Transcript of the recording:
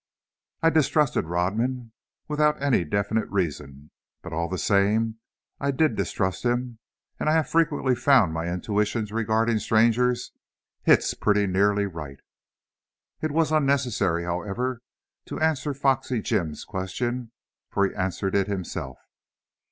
I distrusted Rodman; without any definite reason, but all the same I did distrust him, and I have frequently found my intuitions regarding strangers hit pretty nearly right. It was unnecessary, however, to answer Foxy Jim's question, for he answered it himself.